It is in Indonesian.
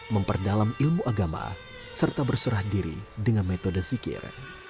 memperdalam ilmu agama serta berserah diri dengan metode zikir